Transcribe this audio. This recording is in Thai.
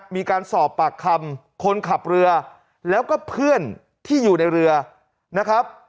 มีการสอบปากคำคนขับเรือแล้วก็เพื่อนที่อยู่ในเรือนะครับ